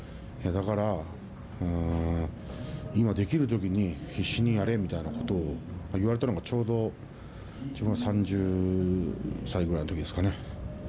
だから今できるときに必死にやれみたいなことを言われたのが、ちょうど自分が３０歳ぐらいのときですかね。